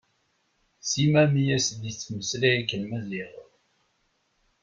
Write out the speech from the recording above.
Sima mi as-d-yettmeslay akken Maziɣ.